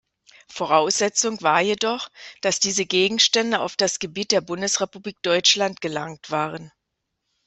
Voraussetzung war jedoch, dass diese Gegenstände auf das Gebiet der Bundesrepublik Deutschland gelangt waren.